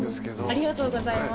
ありがとうございます。